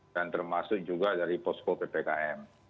dan termasuk juga dari posko ppkm